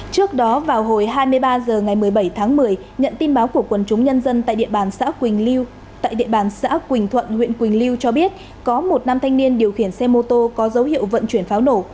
trước đó vào hồi hai mươi ba h ngày một mươi bảy tháng một mươi nhận tin báo của quân chúng nhân dân tại địa bàn xã quỳnh thuận huyện quỳnh lưu cho biết có một năm thanh niên điều khiển xe mô tô có dấu hiệu vận chuyển pháo nổ